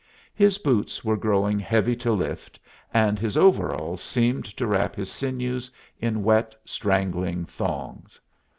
His boots were growing heavy to lift, and his overalls seemed to wrap his sinews in wet, strangling thongs.